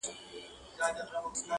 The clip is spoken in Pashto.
خو د عقل څښتن کړی یې انسان دی!!..